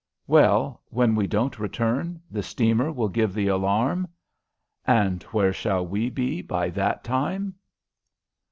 "Well, when we don't return, the steamer will give the alarm." "And where shall we be by that time?"